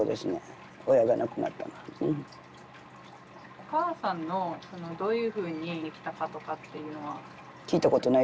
お母さんのどういうふうに来たかとかっていうのは。